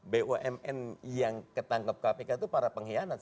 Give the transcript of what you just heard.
bumn yang ketangkep kpk itu para pengkhianat